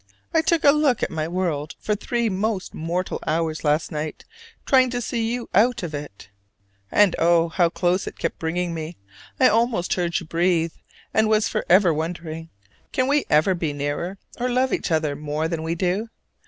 I took a look at my world for three most mortal hours last night, trying to see you out of it. And oh, how close it kept bringing me! I almost heard you breathe, and was forever wondering Can we ever be nearer, or love each other more than we do?